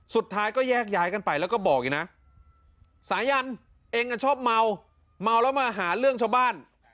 สุดท้ายก็แยกย้ายกันไปแล้วก็บอกอีกนะสายันเองชอบเมาเมาแล้วมาหาเรื่องชาวบ้าน